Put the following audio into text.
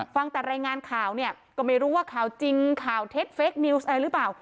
ฟังแต่รายงานข่าวเนี่ยก็ไม่รู้ว่าข่าวจริงข่าวเท็จเฟคนิวส์อะไรหรือเปล่า